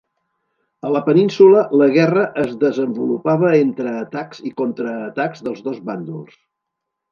A la península, la guerra es desenvolupava entre atacs i contraatacs dels dos bàndols.